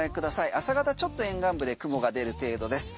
朝方ちょっと沿岸部で雲が出る程度です。